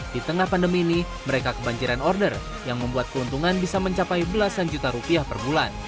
di tengah pandemi ini mereka kebanjiran order yang membuat keuntungan bisa mencapai belasan juta rupiah per bulan